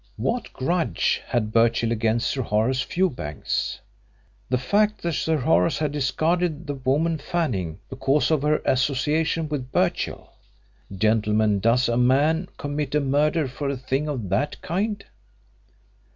What grudge had Birchill against Sir Horace Fewbanks? The fact that Sir Horace had discarded the woman Fanning because of her association with Birchill. Gentlemen, does a man commit a murder for a thing of that kind?